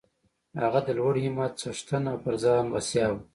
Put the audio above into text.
هغه د لوړ همت څښتن او پر ځان بسیا و